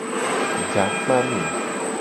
Gakpame.